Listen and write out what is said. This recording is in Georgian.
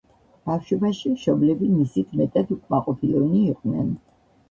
ბავშვობაში მშობლები მისით მეტად უკმაყოფილონი იყვნენ.